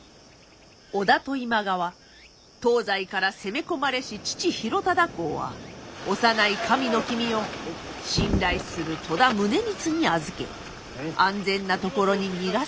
織田と今川東西から攻め込まれし父広忠公は幼い神の君を信頼する戸田宗光に預け安全な所に逃がすことに。